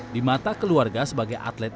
di mata keluarga sebagai atlet